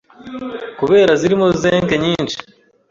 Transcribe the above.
kubera zirimo zinc nyinshi